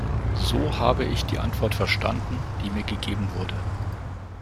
So habe ich die Antwort verstanden, die mir gegeben wurde.